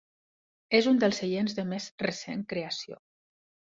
És un dels seients de més recent creació.